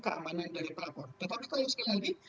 keamanan dari pelapor tetapi kalau sekali lagi